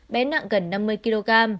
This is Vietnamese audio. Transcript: bé nặng gần năm mươi kg